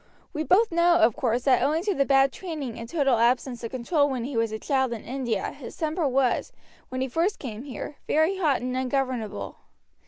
We both know, of course, that owing to the bad training and total absence of control when he was a child in India his temper was, when he first came here, very hot and ungovernable.